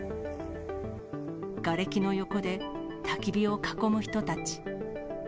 がれきの横でたき火を囲む人たち。